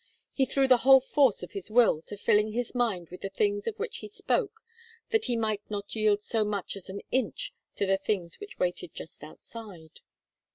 He threw the whole force of his will to filling his mind with the things of which he spoke that he might not yield so much as an inch to the things which waited just outside.